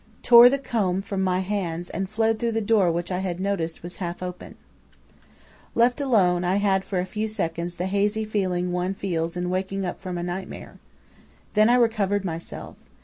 tore the comb from my hands, and fled through the door which I had noticed was half opened. "Left alone, I had for a few seconds the hazy feeling one feels in waking up from a nightmare. Then I recovered myself.